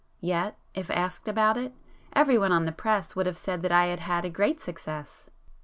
Yet, if asked about it, everyone on the press would have said that I had had a great success.